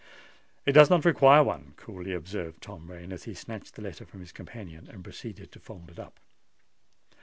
"It does not require one," coolly observed Tom Rain, as he snatched the letter from his companion, and proceeded to fold it up.